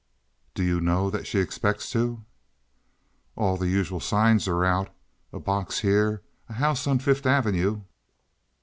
"Do you know that she expects to?" "All the usual signs are out—a box here, a house on Fifth Avenue."